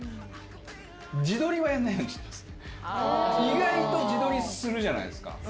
意外と自撮りするじゃないですか。